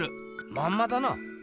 まんまだな。